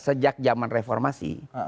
sejak zaman reformasi